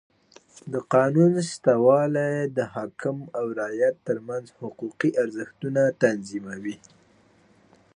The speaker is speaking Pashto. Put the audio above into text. د قانون سته والى د حاکم او رعیت ترمنځ حقوقي ارزښتونه تنظیموي.